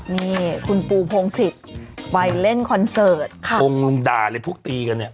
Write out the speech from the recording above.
นี่คุณปูพงศิษย์ไปเล่นคอนเสิร์ตค่ะพงลุงด่าเลยพวกตีกันเนี่ย